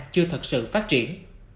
chưa thật sự phát triển